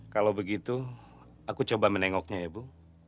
kalau begitu aku coba menengoknya ya bu